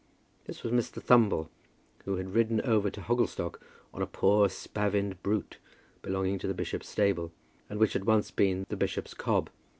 This was Mr. Thumble, who had ridden over to Hogglestock on a poor spavined brute belonging to the bishop's stable, and which had once been the bishop's cob.